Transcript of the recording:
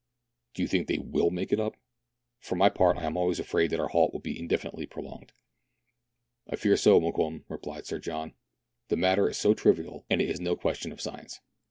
" Do you think they will make it up ? For my part, I am almost afraid that our halt will be indefinitely pro longed." " I fear so, Mokoum," replied Sir John. "The matter is so trivial, and it is no question of science.